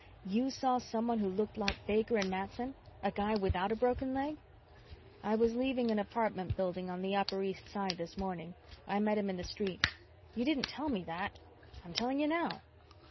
"You saw someone who looked like Baker and Matson? A guy without a broken leg?" "I was leaving an apartment building on the Upper East Side this morning. I met him in the street." "You didn't tell me that." "I'm telling you now."